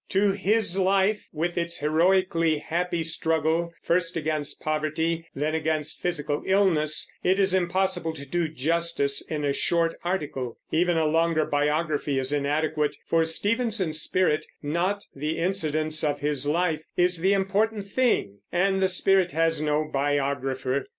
To his life, with its "heroically happy" struggle, first against poverty, then against physical illness, it is impossible to do justice in a short article. Even a longer biography is inadequate, for Stevenson's spirit, not the incidents of his life, is the important thing; and the spirit has no biographer.